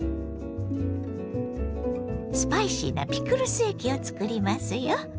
スパイシーなピクルス液をつくりますよ。